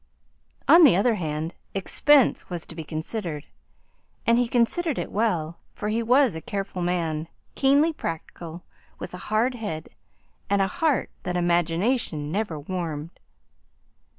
On the other hand, expense was to be considered, and he considered it well, for he was a careful man, keenly practical, with a hard head and a heart that imagination never warmed.